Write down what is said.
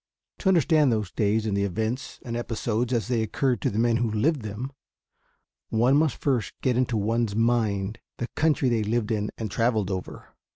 To understand those days and the events and episodes as they occurred to the men who lived them, one must first get into one's mind the country they lived in and traveled over.